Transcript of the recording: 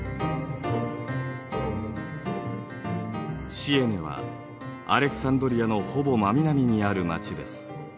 シエネはアレクサンドリアのほぼ真南にある街です。